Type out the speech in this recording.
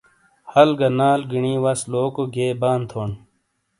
ہل گہ نال گینی واس لوکو گئیے بان تھون ۔